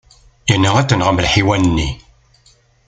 Yerna ad tenɣem lḥiwan-nni.